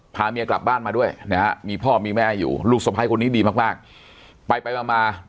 พาเมียกลับบ้านมาด้วยมีพ่อมีแม่อยู่ลูกสภัยคนนี้ดีมากไปมา